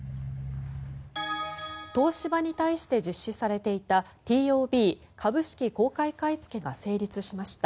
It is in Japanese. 東芝に対して実施されていたＴＯＢ・株式公開買いつけが成立しました。